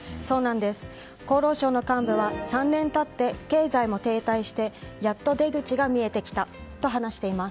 厚労省の幹部は３年経って経済も停滞して、やっと出口が見えてきたと話しています。